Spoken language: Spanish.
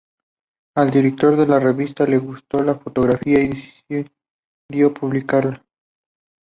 Al director de la revista le gustó la fotografía y decidió publicarla.